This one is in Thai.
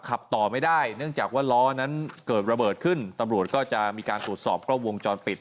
ขับต่อไม่ได้เนื่องจากว่าล้อนั้นเกิดระเบิดขึ้นตำรวจก็จะมีการตรวจสอบกล้องวงจรปิด